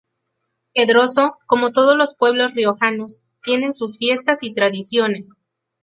Pedroso, como todos los pueblos riojanos, tienes sus fiestas y tradiciones.